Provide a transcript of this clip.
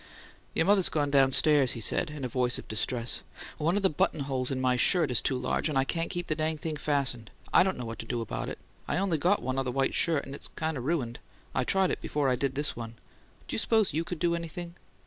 "Your mother's gone downstairs," he said, in a voice of distress. "One of the buttonholes in my shirt is too large and I can't keep the dang thing fastened. I don't know what to do about it! I only got one other white shirt, and it's kind of ruined: I tried it before I did this one. Do you s'pose you could do anything?"